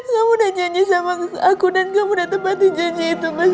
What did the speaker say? kamu udah janji sama aku dan kamu udah tepatin janji itu mas